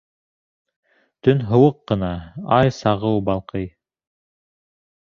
Төн һыуыҡ ҡына, ай сағыу балҡый.